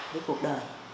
với cuộc đời